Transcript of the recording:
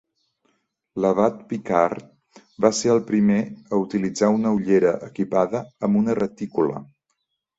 L'abat Picard, va ser el primer a utilitzar una ullera equipada amb una retícula.